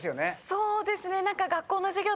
そうですね。